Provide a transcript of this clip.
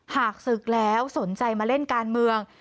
ศึกแล้วสนใจมาเล่นการเมือง